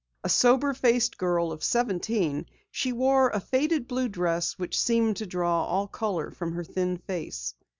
A sober faced girl of seventeen, she wore a faded blue dress which seemed to draw all color from her thin face.